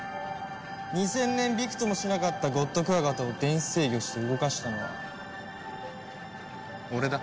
２０００年ビクともしなかったゴッドクワガタを電子制御して動かしたのは俺だ。